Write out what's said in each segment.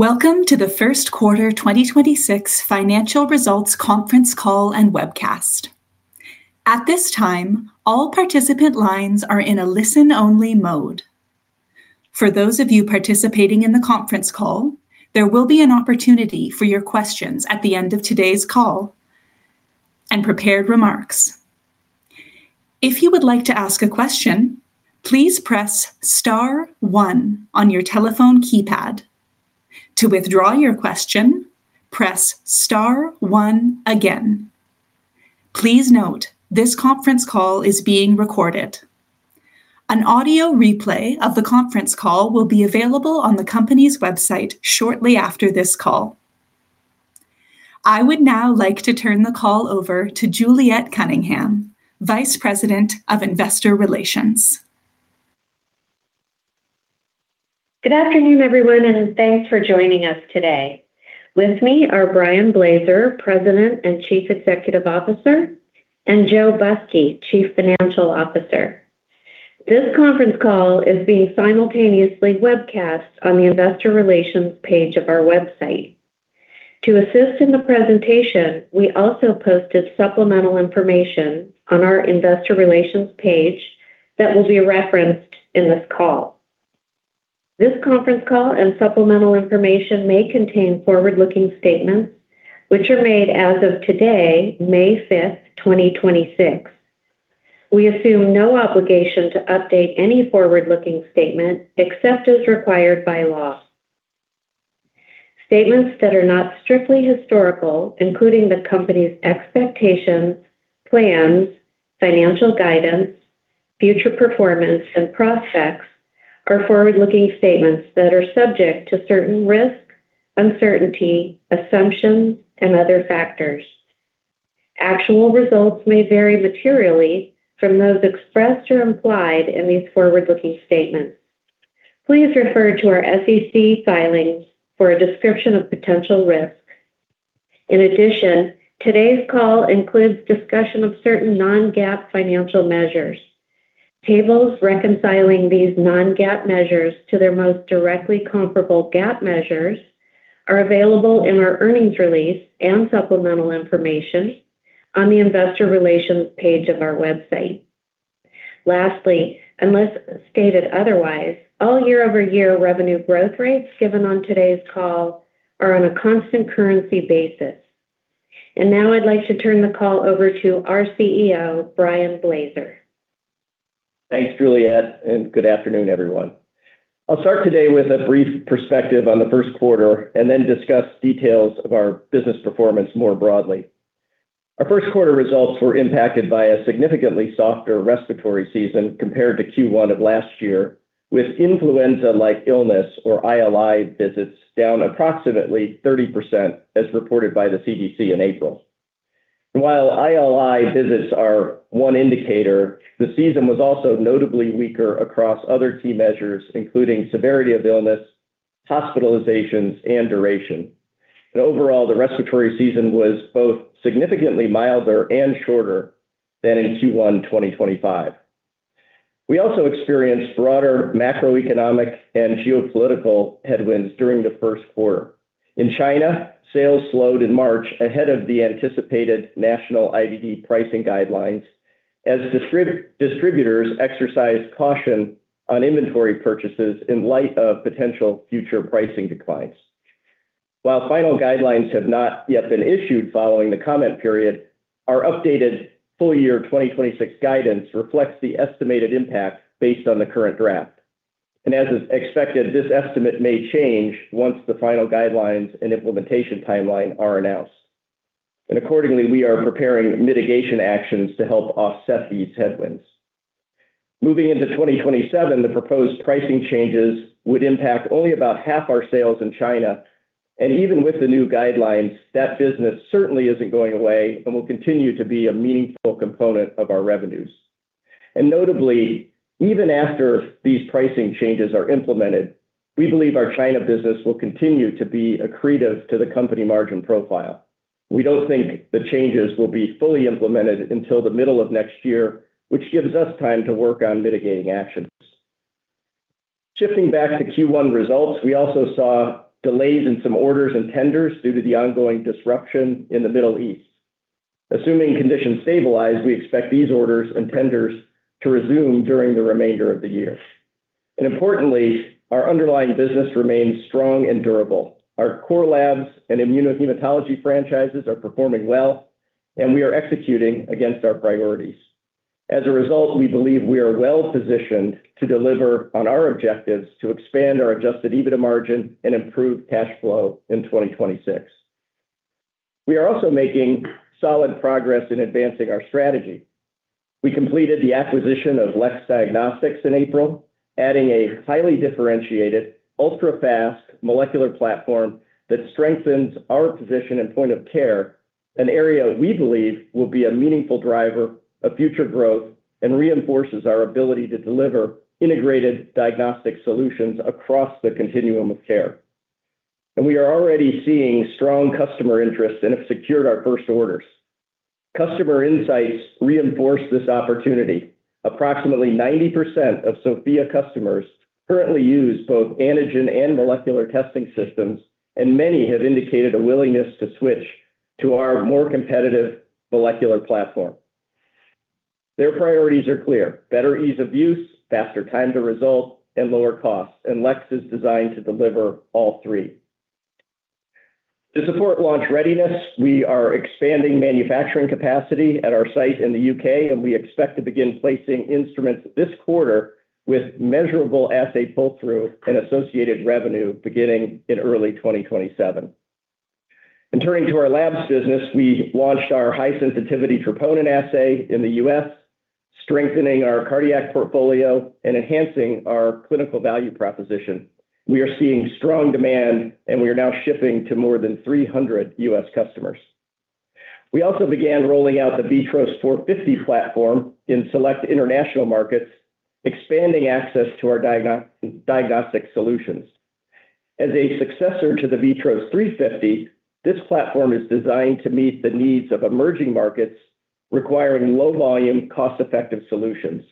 Welcome to the first quarter 2026 financial results conference call and webcast. At this time, all participant lines are in a listen-only mode. For those of you participating in the conference call, there will be an opportunity for your questions at the end of today's call and prepared remarks. If you would like to ask a question, please press star one on your telephone keypad. To withdraw your question, press star one again. Please note this conference call is being recorded. An audio replay of the conference call will be available on the company's website shortly after this call. I would now like to turn the call over to Juliet Cunningham, Vice President of Investor Relations. Good afternoon, everyone, and thanks for joining us today. With me are Brian Blaser, President and Chief Executive Officer, and Joe Busky, Chief Financial Officer. This conference call is being simultaneously webcast on the Investor Relations page of our website. To assist in the presentation, we also posted supplemental information on our investor relations page that will be referenced in this call. This conference call and supplemental information may contain forward-looking statements which are made as of today, May 5, 2026. We assume no obligation to update any forward-looking statement except as required by law. Statements that are not strictly historical, including the company's expectations, plans, financial guidance, future performance and prospects are forward-looking statements that are subject to certain risks, uncertainty, assumptions, and other factors. Actual results may vary materially from those expressed or implied in these forward-looking statements. Please refer to our SEC filings for a description of potential risks. In addition, today's call includes discussion of certain non-GAAP financial measures. Tables reconciling these non-GAAP measures to their most directly comparable GAAP measures are available in our earnings release and supplemental information on the Investor Relations page of our website. Lastly, unless stated otherwise, all year-over-year revenue growth rates given on today's call are on a constant currency basis. Now I'd like to turn the call over to our CEO, Brian Blaser. Thanks, Juliet, good afternoon, everyone. I'll start today with a brief perspective on the first quarter and then discuss details of our business performance more broadly. Our first quarter results were impacted by a significantly softer respiratory season compared to Q1 of last year, with influenza-like illness or ILI visits down approximately 30% as reported by the CDC in April. While ILI visits are one indicator, the season was also notably weaker across other key measures, including severity of illness, hospitalizations, and duration. Overall, the respiratory season was both significantly milder and shorter than in Q1 2025. We also experienced broader macroeconomic and geopolitical headwinds during the first quarter. In China, sales slowed in March ahead of the anticipated national IVD pricing guidelines as distributors exercised caution on inventory purchases in light of potential future pricing declines. While final guidelines have not yet been issued following the comment period, our updated full-year 2026 guidance reflects the estimated impact based on the current draft. As is expected, this estimate may change once the final guidelines and implementation timeline are announced. Accordingly, we are preparing mitigation actions to help offset these headwinds. Moving into 2027, the proposed pricing changes would impact only about half our sales in China. Even with the new guidelines, that business certainly isn't going away and will continue to be a meaningful component of our revenues. Notably, even after these pricing changes are implemented, we believe our China business will continue to be accretive to the company margin profile. We don't think the changes will be fully implemented until the middle of next year, which gives us time to work on mitigating actions. Shifting back to Q1 results, we also saw delays in some orders and tenders due to the ongoing disruption in the Middle East. Assuming conditions stabilize, we expect these orders and tenders to resume during the remainder of the year. Importantly, our underlying business remains strong and durable. Our core labs and immunohematology franchises are performing well, and we are executing against our priorities. As a result, we believe we are well-positioned to deliver on our objectives to expand our adjusted EBITDA margin and improve cash flow in 2026. We are also making solid progress in advancing our strategy. We completed the acquisition of LEX Diagnostics in April, adding a highly differentiated, ultra-fast molecular platform that strengthens our position in point of care, an area we believe will be a meaningful driver of future growth and reinforces our ability to deliver integrated diagnostic solutions across the continuum of care. We are already seeing strong customer interest and have secured our first orders. Customer insights reinforce this opportunity. Approximately 90% of SOFIA customers currently use both antigen and molecular testing systems, and many have indicated a willingness to switch to our more competitive molecular platform. Their priorities are clear. Better ease of use, faster time to result, and lower costs. LEX is designed to deliver all three. To support launch readiness, we are expanding manufacturing capacity at our site in the U.K. We expect to begin placing instruments this quarter with measurable assay pull-through and associated revenue beginning in early 2027. Turning to our labs business, we launched our high-sensitivity troponin assay in the U.S., strengthening our cardiac portfolio and enhancing our clinical value proposition. We are seeing strong demand. We are now shipping to more than 300 U.S. customers. We also began rolling out the VITROS 450 platform in select international markets, expanding access to our diagnostic solutions. As a successor to the VITROS 350, this platform is designed to meet the needs of emerging markets requiring low volume, cost-effective solutions.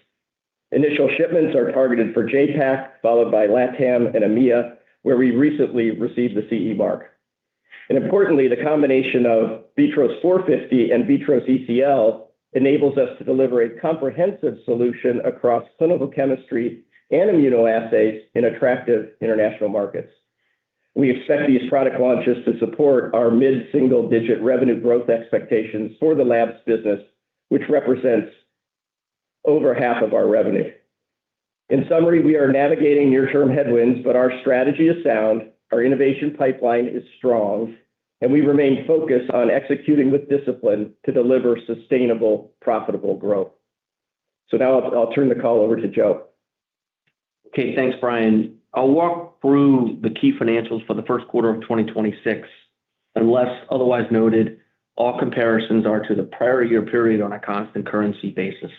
Initial shipments are targeted for JPAC, followed by LatAm and EMEA, where we recently received the CE mark. Importantly, the combination of VITROS 450 and VITROS ECL enables us to deliver a comprehensive solution across clinical chemistry and immunoassays in attractive international markets. We expect these product launches to support our mid-single-digit revenue growth expectations for the labs business, which represents over half of our revenue. In summary, we are navigating near-term headwinds, but our strategy is sound, our innovation pipeline is strong, and we remain focused on executing with discipline to deliver sustainable, profitable growth. Now I'll turn the call over to Joe. Okay. Thanks, Brian. I'll walk through the key financials for the first quarter of 2026. Unless otherwise noted, all comparisons are to the prior year period on a constant currency basis.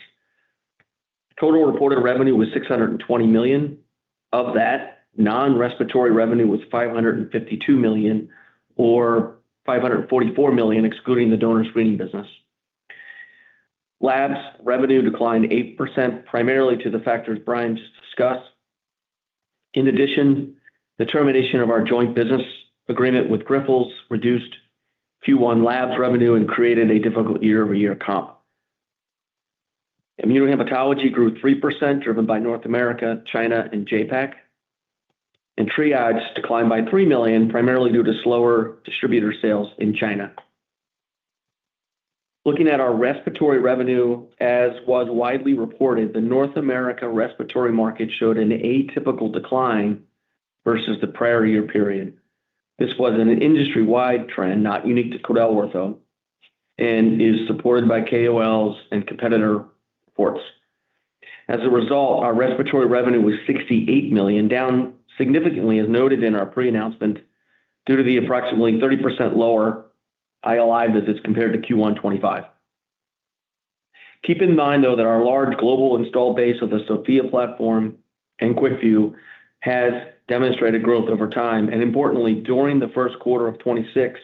Total reported revenue was $620 million. Of that, non-respiratory revenue was $552 million, or $544 million, excluding the Donor Screening business. Labs revenue declined 8% primarily to the factors Brian just discussed. In addition, the termination of our joint business agreement with Grifols reduced Q1 labs revenue and created a difficult year-over-year comp. Immunohematology grew 3% driven by North America, China, and JPAC. TRIAGE declined by $3 million, primarily due to slower distributor sales in China. Looking at our respiratory revenue, as was widely reported, the North America respiratory market showed an atypical decline versus the prior year period. This was an industry-wide trend, not unique to QuidelOrtho, and is supported by KOLs and competitor reports. As a result, our respiratory revenue was $68 million, down significantly, as noted in our pre-announcement, due to the approximately 30% lower ILI visits compared to Q1 2025. Keep in mind, though, that our large global installed base of the SOFIA platform and QUICKVUE has demonstrated growth over time. Importantly, during the first quarter of 2026,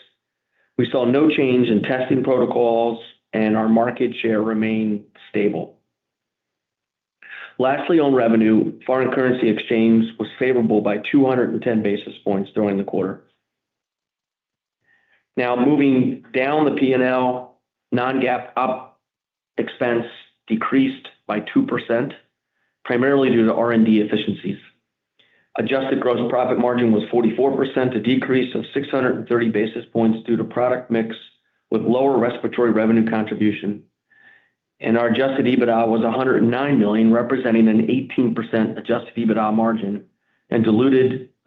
we saw no change in testing protocols and our market share remained stable. Lastly, on revenue, foreign currency exchange was favorable by 210 basis points during the quarter. Now moving down the P&L, non-GAAP OpEx decreased by 2%, primarily due to R&D efficiencies. Adjusted gross profit margin was 44%, a decrease of 630 basis points due to product mix with lower respiratory revenue contribution. Our adjusted EBITDA was $109 million, representing an 18% adjusted EBITDA margin and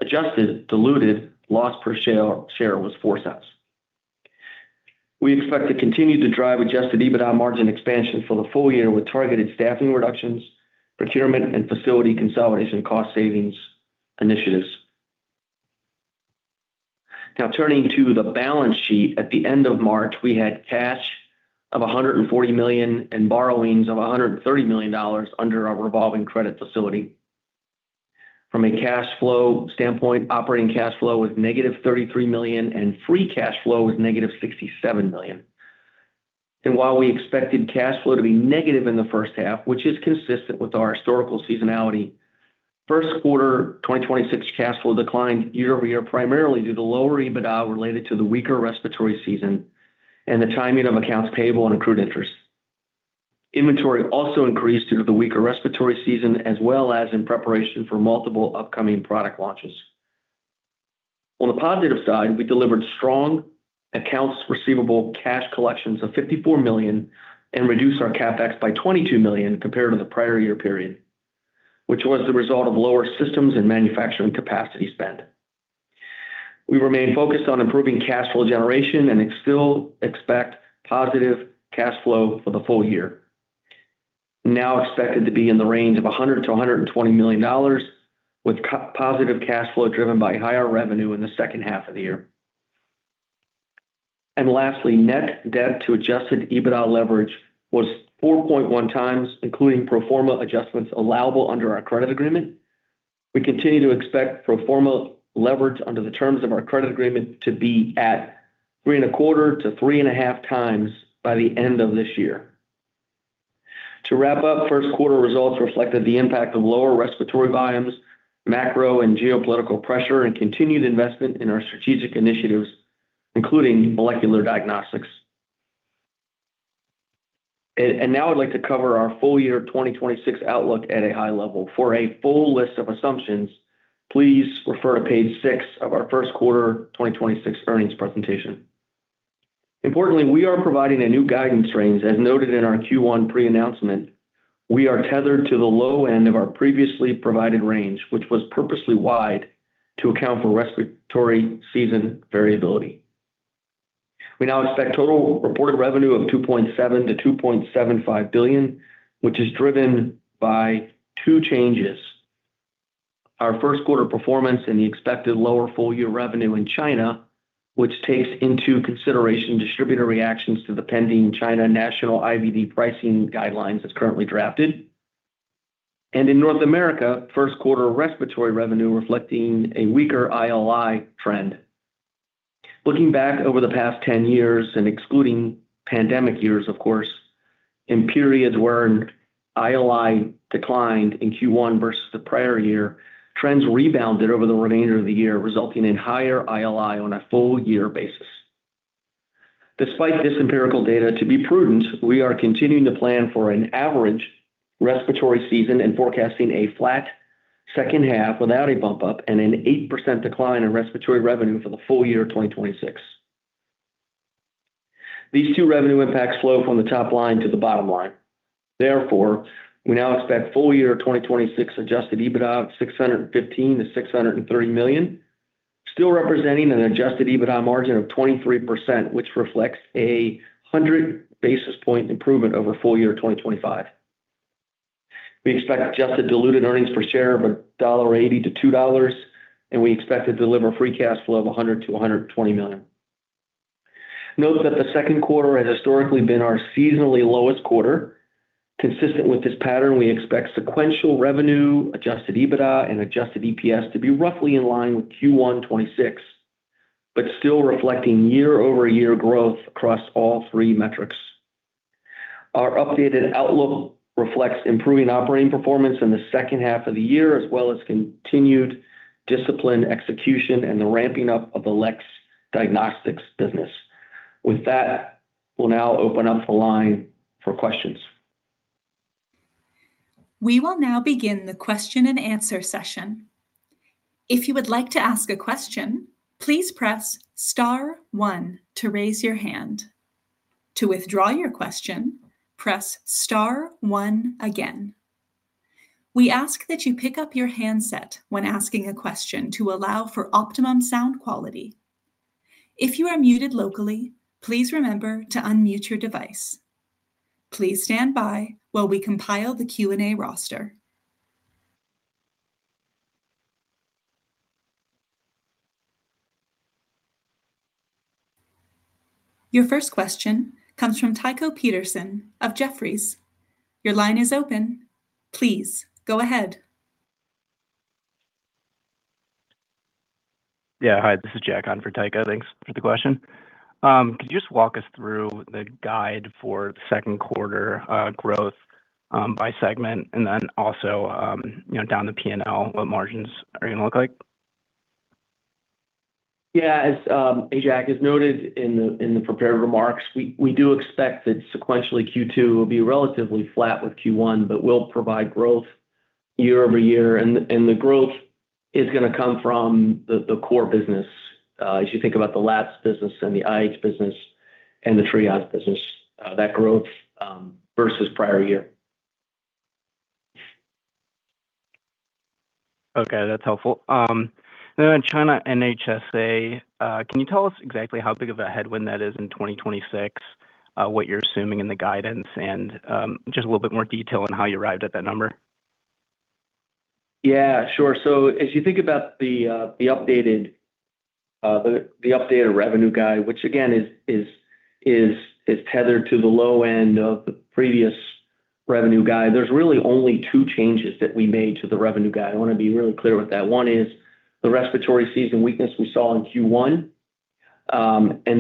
adjusted diluted loss per share was $0.04. We expect to continue to drive adjusted EBITDA margin expansion for the full-year with targeted staffing reductions, procurement, and facility consolidation cost savings initiatives. Now turning to the balance sheet. At the end of March, we had cash of $140 million and borrowings of $130 million under our revolving credit facility. From a cash flow standpoint, operating cash flow was -$33 million, and free cash flow was -$67 million. While we expected cash flow to be negative in the first half, which is consistent with our historical seasonality, first quarter 2026 cash flow declined year-over-year, primarily due to lower EBITDA related to the weaker respiratory season and the timing of accounts payable and accrued interest. Inventory also increased due to the weaker respiratory season as well as in preparation for multiple upcoming product launches. On the positive side, we delivered strong accounts receivable cash collections of $54 million and reduced our CapEx by $22 million compared to the prior year period, which was the result of lower systems and manufacturing capacity spend. We remain focused on improving cash flow generation still expect positive cash flow for the full-year, now expected to be in the range of $100 million-$120 million, with positive cash flow driven by higher revenue in the second half of the year. Lastly, net debt to adjusted EBITDA leverage was 4.1x, including pro forma adjustments allowable under our credit agreement. We continue to expect pro forma leverage under the terms of our credit agreement to be at 3.25x-3.5x by the end of this year. To wrap up, first quarter results reflected the impact of lower respiratory volumes, macro and geopolitical pressure, and continued investment in our strategic initiatives, including molecular diagnostics. Now I'd like to cover our full-year 2026 outlook at a high level. For a full list of assumptions, please refer to page six of our first quarter 2026 earnings presentation. Importantly, we are providing a new guidance range. As noted in our Q1 pre-announcement, we are tethered to the low end of our previously provided range, which was purposely wide to account for respiratory season variability. We now expect total reported revenue of $2.7 billion-$2.75 billion, which is driven by two changes: our first quarter performance and the expected lower full-year revenue in China, which takes into consideration distributor reactions to the pending China National IVD pricing guidelines as currently drafted. In North America, first quarter respiratory revenue reflecting a weaker ILI trend. Looking back over the past 10 years and excluding pandemic years, of course, in periods where ILI declined in Q1 versus the prior year, trends rebounded over the remainder of the year, resulting in higher ILI on a full-year basis. Despite this empirical data, to be prudent, we are continuing to plan for an average respiratory season and forecasting a flat second half without a bump up and an 8% decline in respiratory revenue for the full-year 2026. These two revenue impacts flow from the top line to the bottom line. Therefore, we now expect full-year 2026 adjusted EBITDA of $615 million-$630 million, still representing an adjusted EBITDA margin of 23%, which reflects a 100 basis point improvement over full-year 2025. We expect adjusted diluted earnings per share of $1.80-$2.00, and we expect to deliver free cash flow of $100 million-$120 million. Note that the second quarter has historically been our seasonally lowest quarter. Consistent with this pattern, we expect sequential revenue, adjusted EBITDA, and adjusted EPS to be roughly in line with Q1 2026, but still reflecting year-over-year growth across all three metrics. Our updated outlook reflects improving operating performance in the second half of the year, as well as continued disciplined execution and the ramping up of the LEX Diagnostics business. With that, we'll now open up the line for questions. Your first question comes from Tycho Peterson of Jefferies. Your line is open. Please go ahead. Yeah, hi, this is Jack on for Tycho. Thanks for the question. Could you just walk us through the guide for second quarter growth by segment and then also, you know, down to P&L, what margins are going to look like? Yeah, as, hey Jack, as noted in the prepared remarks, we do expect that sequentially Q2 will be relatively flat with Q1, but will provide growth year-over-year. The growth is gonna come from the core business, as you think about the labs business and the IH business and the TRIAGE business, that growth versus prior year. Okay, that's helpful. Now in China NHSA, can you tell us exactly how big of a headwind that is in 2026? What you're assuming in the guidance and just a little bit more detail on how you arrived at that number. Yeah, sure. As you think about the updated, the updated revenue guide, which again, is tethered to the low end of the previous revenue guide, there's really only two changes that we made to the revenue guide. I wanna be really clear with that. One is the respiratory season weakness we saw in Q1.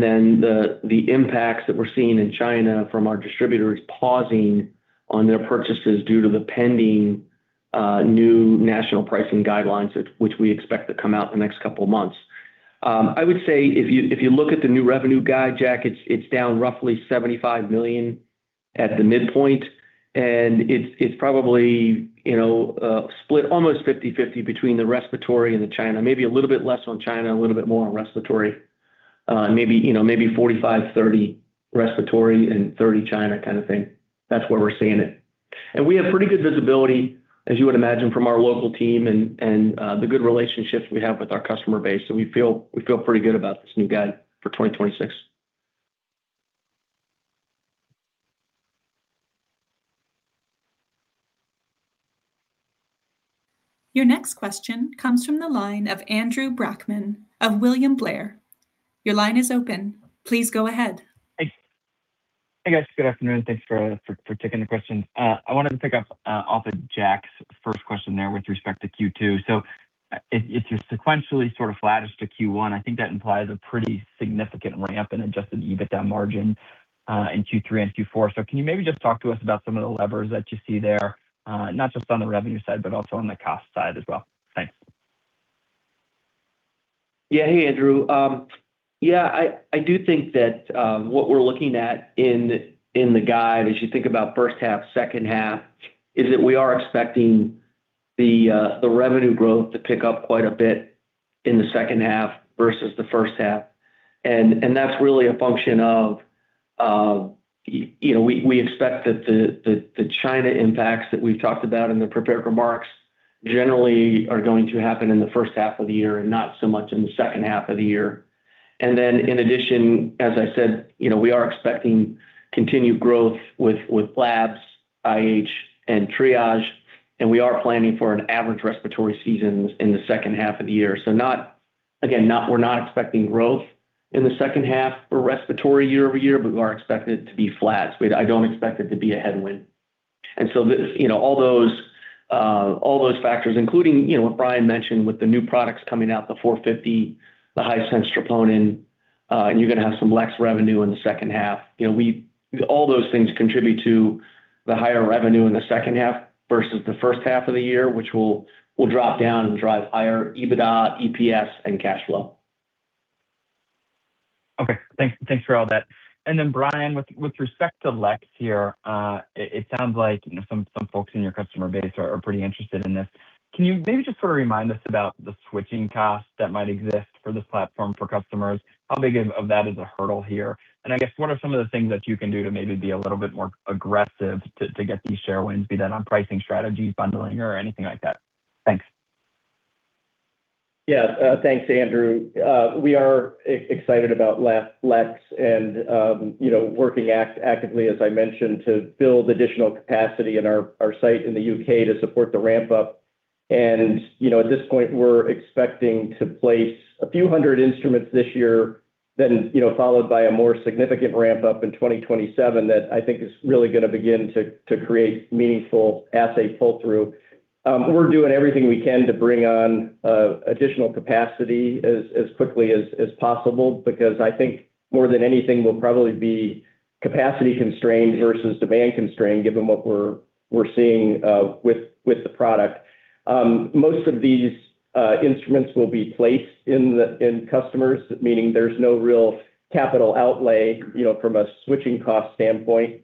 Then the impacts that we're seeing in China from our distributors pausing on their purchases due to the pending new national pricing guidelines, which we expect to come out in the next couple of months. I would say if you look at the new revenue guide, Jack, it's down roughly $75 million at the midpoint, and it's probably, you know, split almost 50/50 between the respiratory and the China. Maybe a little bit less on China, a little bit more on respiratory. Maybe, you know, maybe 45, 30 respiratory and 30 China kind of thing. That's where we're seeing it. We have pretty good visibility, as you would imagine, from our local team and the good relationships we have with our customer base. We feel pretty good about this new guide for 2026. Your next question comes from the line of Andrew Brackmann of William Blair. Your line is open. Please go ahead. Hey guys, good afternoon. Thanks for taking the questions. I wanted to pick up off of Jack's first question there with respect to Q2. If you're sequentially sort of flattish to Q1, I think that implies a pretty significant ramp in adjusted EBITDA margin in Q3 and Q4. Can you maybe just talk to us about some of the levers that you see there, not just on the revenue side, but also on the cost side as well? Thanks. Hey, Andrew. I do think that what we're looking at in the guide as you think about first half, second half, is that we are expecting the revenue growth to pick up quite a bit in the second half versus the first half. That's really a function of, you know, we expect that the China impacts that we've talked about in the prepared remarks generally are going to happen in the first half of the year and not so much in the second half of the year. In addition, as I said, you know, we are expecting continued growth with labs, IH, and TRIAGE, and we are planning for an average respiratory season in the second half of the year. Not, again, we're not expecting growth in the second half for respiratory year-over-year, we are expecting it to be flat. I don't expect it to be a headwind. The, you know, all those, all those factors, including, you know, what Brian mentioned with the new products coming out, the VITROS 450, the high-sensitivity troponin, and you're gonna have some less revenue in the second half. You know, all those things contribute to the higher revenue in the second half versus the first half of the year, which will drop down and drive higher EBITDA, EPS, and cash flow. Okay. Thanks. Thanks for all that. Brian, with respect to LEX here, it sounds like, you know, some folks in your customer base are pretty interested in this. Can you maybe just sort of remind us about the switching costs that might exist for this platform for customers? How big of that is a hurdle here? I guess, what are some of the things that you can do to maybe be a little bit more aggressive to get these share wins, be that on pricing strategies, bundling or anything like that? Thanks. Yeah. Thanks, Andrew. We are excited about LEX and, you know, working actively, as I mentioned, to build additional capacity in our site in the U.K. to support the ramp up. You know, at this point, we're expecting to place a few hundred instruments this year, then, you know, followed by a more significant ramp up in 2027 that I think is really gonna begin to create meaningful assay pull-through. We're doing everything we can to bring on additional capacity as quickly as possible, because I think more than anything, we'll probably be capacity constrained versus demand constrained given what we're seeing with the product. Most of these instruments will be placed in customers, meaning there's no real capital outlay, you know, from a switching cost standpoint.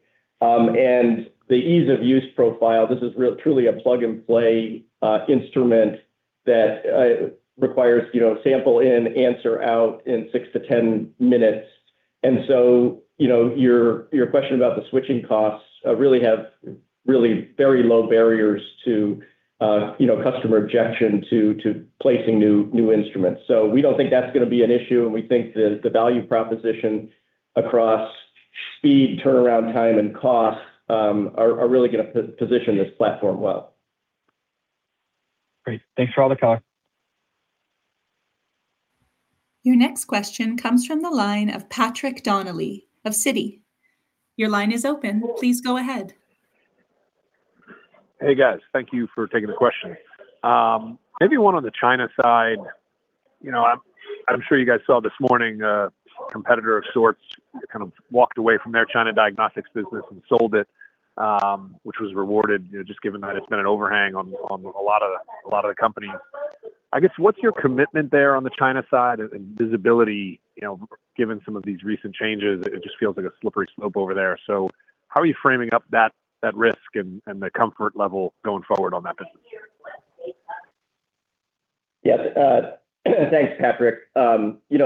The ease of use profile, this is truly a plug-and-play instrument that requires, you know, sample in, answer out in six to 10 minutes. You know, your question about the switching costs really have very low barriers to, you know, customer objection to placing new instruments. We don't think that's gonna be an issue, and we think the value proposition across speed, turnaround time, and cost are really gonna position this platform well. Great. Thanks for all the color. Your next question comes from the line of Patrick Donnelly of Citi. Your line is open. Please go ahead. Hey, guys. Thank you for taking the question. Maybe one on the China side. You know, I'm sure you guys saw this morning a competitor of sorts kind of walked away from their China diagnostics business and sold it, which was rewarded, you know, just given that it's been an overhang on a lot of the companies. I guess, what's your commitment there on the China side and visibility, you know, given some of these recent changes? It just feels like a slippery slope over there. How are you framing up that risk and the comfort level going forward on that business? Yeah. Thanks, Patrick. You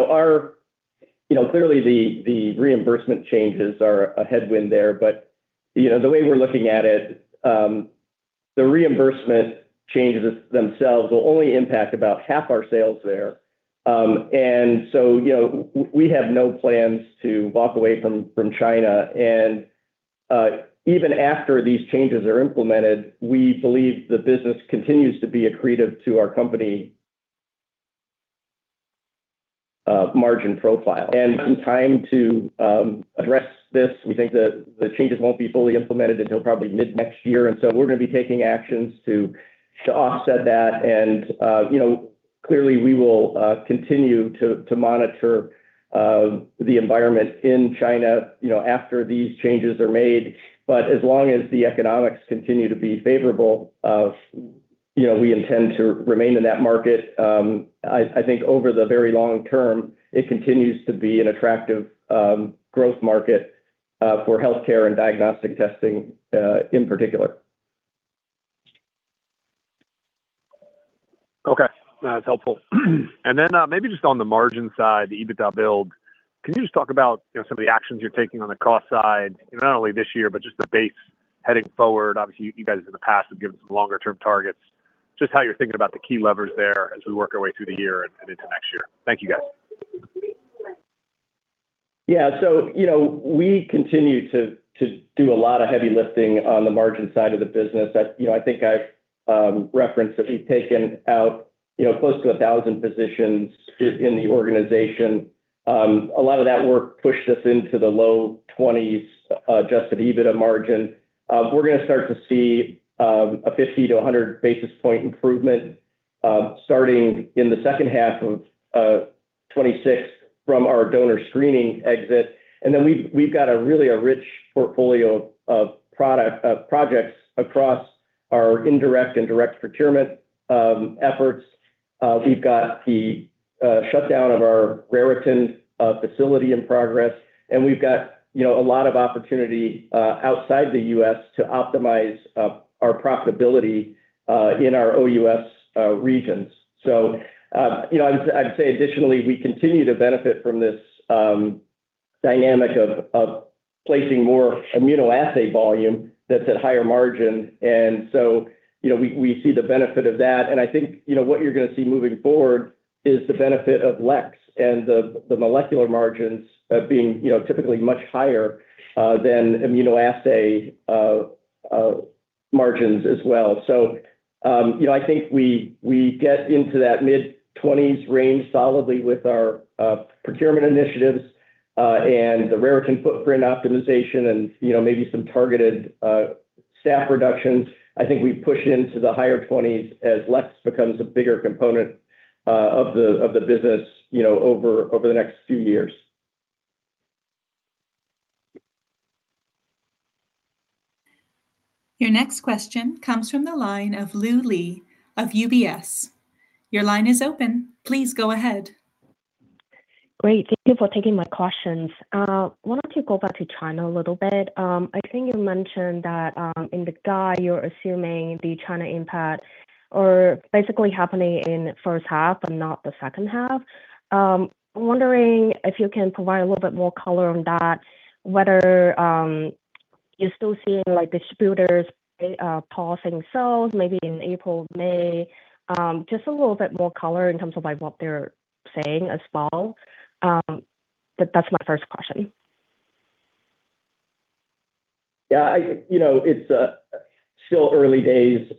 know, clearly the reimbursement changes are a headwind there, but, you know, the way we're looking at it, you know, the reimbursement changes themselves will only impact about half our sales there. You know, we have no plans to walk away from China. Even after these changes are implemented, we believe the business continues to be accretive to our company margin profile. In time to address this, we think that the changes won't be fully implemented until probably mid-next year. We're gonna be taking actions to offset that. You know, clearly, we will continue to monitor the environment in China, you know, after these changes are made. As long as the economics continue to be favorable of, you know, we intend to remain in that market, I think over the very long term, it continues to be an attractive growth market for healthcare and diagnostic testing in particular. Okay. That's helpful. Then, maybe just on the margin side, the EBITDA build, can you just talk about, you know, some of the actions you're taking on the cost side, you know, not only this year, but just the base heading forward? Obviously, you guys in the past have given some longer term targets. Just how you're thinking about the key levers there as we work our way through the year and into next year. Thank you, guys. Yeah. You know, we continue to do a lot of heavy lifting on the margin side of the business. That's, you know, I think I've referenced that we've taken out, you know, close to 1,000 positions in the organization. A lot of that work pushed us into the low 20s adjusted EBITDA margin. We're going to start to see a 50 to 100 basis point improvement starting in the second half of 2026 from our Donor Screening exit. We've got a really a rich portfolio of projects across our indirect and direct procurement efforts. We've got the shutdown of our Raritan facility in progress, and we've got, you know, a lot of opportunity outside the U.S. to optimize our profitability in our OUS regions. You know, I'd say additionally, we continue to benefit from this dynamic of placing more immunoassay volume that's at higher margin. You know, we see the benefit of that. I think, you know, what you're gonna see moving forward is the benefit of LEX and the molecular margins being, you know, typically much higher than immunoassay margins as well. You know, I think we get into that mid-20s range solidly with our procurement initiatives and the Raritan footprint optimization and, you know, maybe some targeted staff reductions. I think we push into the higher 20s as LEX becomes a bigger component of the business, you know, over the next few years. Your next question comes from the line of Lu Li of UBS. Your line is open. Please go ahead. Great. Thank you for taking my questions. Why don't you go back to China a little bit? I think you mentioned that, in the guide, you're assuming the China impact are basically happening in first half and not the second half. I'm wondering if you can provide a little bit more color on that, whether you're still seeing like distributors pausing sales maybe in April, May. Just a little bit more color in terms of like what they're saying as well. That's my first question. Yeah, you know, it's still early days.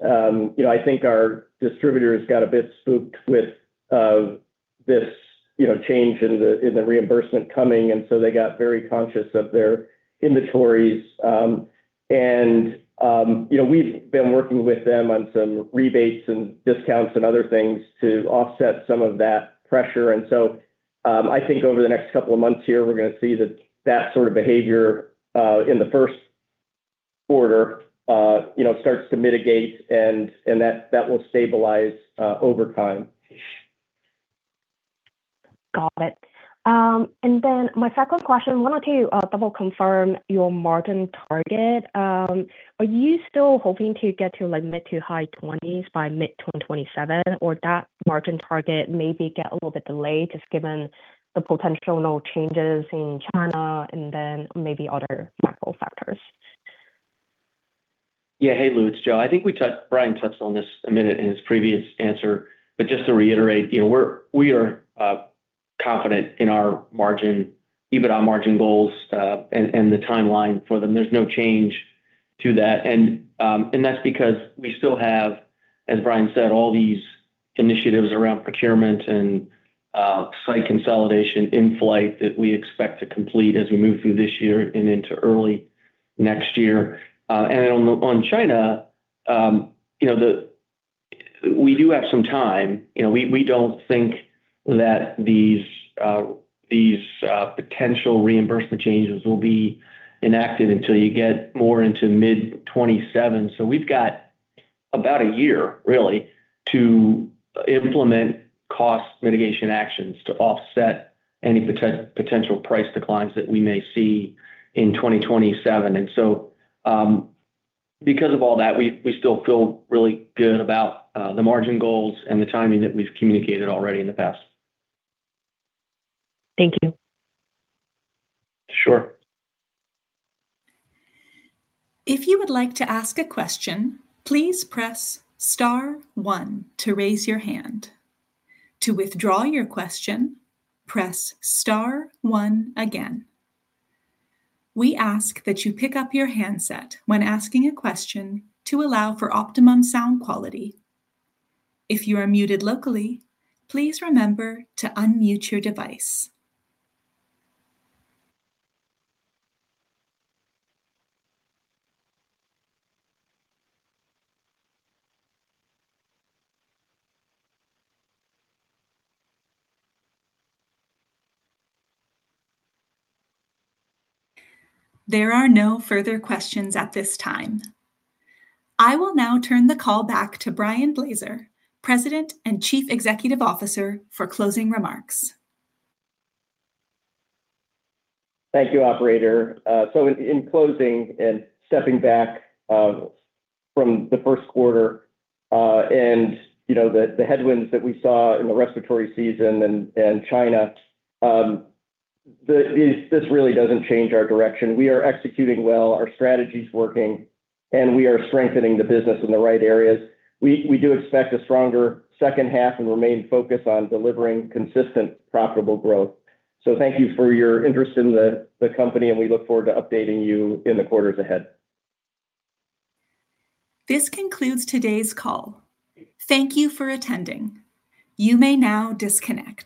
You know, I think our distributors got a bit spooked with this, you know, change in the reimbursement coming. They got very conscious of their inventories. You know, we've been working with them on some rebates and discounts and other things to offset some of that pressure. I think over the next two months here, we're gonna see that that sort of behavior in the first quarter, you know, starts to mitigate and that will stabilize over time. Got it. My second question, why don't you double confirm your margin target? Are you still hoping to get to like mid-to-high 20s by mid-2027, or that margin target maybe get a little bit delayed just given the potential changes in China and then maybe other macro factors? Yeah. Hey, Lu, it's Joe. I think Brian touched on this a minute in his previous answer. Just to reiterate, you know, we are confident in our margin, EBITDA margin goals and the timeline for them. There's no change to that. That's because we still have, as Brian said, all these initiatives around procurement and site consolidation in flight that we expect to complete as we move through this year and into early next year. On China, you know, we do have some time. You know, we don't think that these potential reimbursement changes will be enacted until you get more into mid-2027. We've got about a year, really, to implement cost mitigation actions to offset any potential price declines that we may see in 2027. Because of all that, we still feel really good about the margin goals and the timing that we've communicated already in the past. Thank you. Sure. If you would like to ask a question, please press star one to raise your hand. To withdraw your question, press star one again. We ask that you pick up your handset when asking a question to allow for optimum sound quality. If you are muted locally, please remember to unmute your device. There are no further questions at this time. I will now turn the call back to Brian Blaser, President and Chief Executive Officer, for closing remarks. Thank you, operator. In closing and stepping back from the first quarter, you know, the headwinds that we saw in the respiratory season and China, this really doesn't change our direction. We are executing well, our strategy's working, and we are strengthening the business in the right areas. We do expect a stronger second half and remain focused on delivering consistent profitable growth. Thank you for your interest in the company, and we look forward to updating you in the quarters ahead. This concludes today's call. Thank you for attending. You may now disconnect.